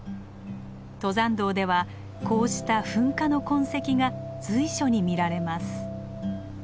登山道ではこうした噴火の痕跡が随所に見られます。